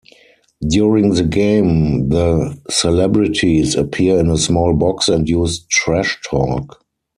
During the game, the celebrities appear in a small box and use trash-talk.